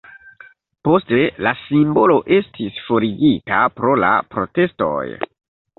Poste la simbolo estis forigita pro la protestoj.